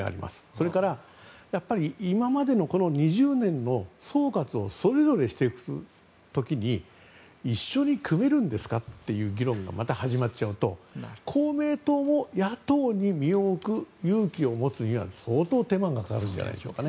それから、今までの２０年の総括をそれぞれしていく時に一緒に組めるんですかっていう議論がまた始まっちゃうと公明党も野党に身を置く勇気を持つには、相当、手間がかかるのではないでしょうか。